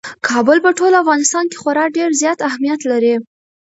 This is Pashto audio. کابل په ټول افغانستان کې خورا ډېر زیات اهمیت لري.